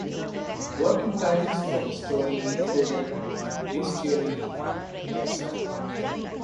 Working titles for this story included "The Bestiary" and "Life-Cycle".